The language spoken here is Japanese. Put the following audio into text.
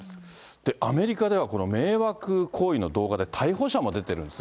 で、アメリカではこの迷惑行為の動画で逮捕者も出てるんですね。